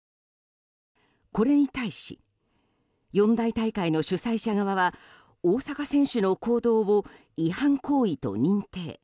これに対し四大大会の主催者側は大坂選手の行動を違反行為と認定。